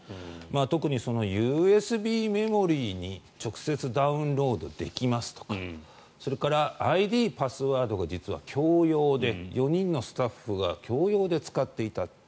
特に、ＵＳＢメモリーに直接ダウンロードできますとかそれから、ＩＤ、パスワードが実は共用で４人のスタッフが共用で使っていたと。